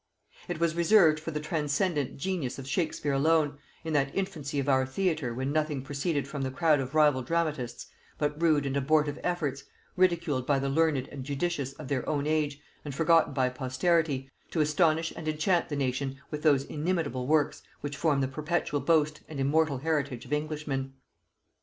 It was reserved for the transcendent genius of Shakespeare alone, in that infancy of our theatre when nothing proceeded from the crowd of rival dramatists but rude and abortive efforts, ridiculed by the learned and judicious of their own age and forgotten by posterity, to astonish and enchant the nation with those inimitable works which form the perpetual boast and immortal heritage of Englishmen.